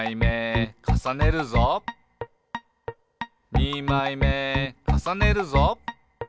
「にまいめかさねるぞ！」